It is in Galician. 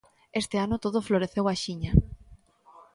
Este ano todo floreceu axiña.